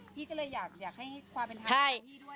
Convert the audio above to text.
พี่ก็เลยอยากให้ความเป็นธรรมของพี่ด้วย